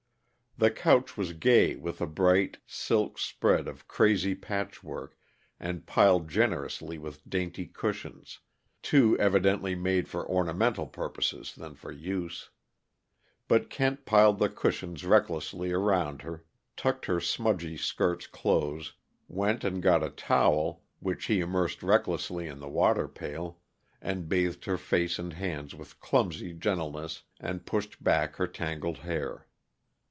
The couch was gay with a bright, silk spread of "crazy" patchwork, and piled generously with dainty cushions, too evidently made for ornamental purposes than for use. But Kent piled the cushions recklessly around her, tucked her smudgy skirts close, went and got a towel, which he immersed recklessly in the water pail, and bathed her face and hands with clumsy gentleness, and pushed back her tangled hair.